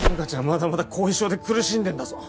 まだまだ後遺症で苦しんでんだぞ